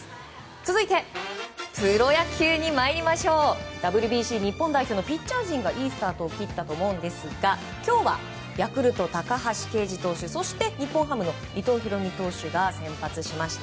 続いてプロ野球ＷＢＣ日本代表のピッチャー陣がいいスタートを切ったんですが今日はヤクルト、高橋奎二投手そして日本ハムの伊藤大海投手が先発しました。